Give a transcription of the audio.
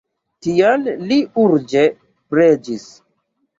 Tial li urĝe preĝis.